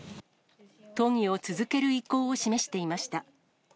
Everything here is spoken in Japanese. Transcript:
都議を続ける意向を示していました。